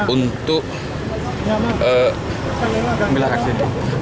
untuk memperbaiki uang yang diberikan kepada pembunuhan